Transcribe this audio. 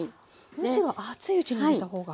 むしろ熱いうちに入れたほうが。